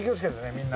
みんな。